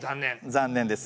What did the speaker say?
残念です。